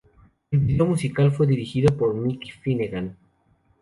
El video musical fue dirigido por Mickey Finnegan.